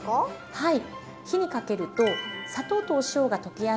はい。